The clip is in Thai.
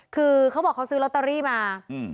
คือเขาบอกเขาซื้อลอตเตอรี่มา